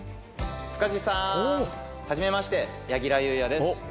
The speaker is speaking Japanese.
塚地さん！はじめまして柳楽優弥です。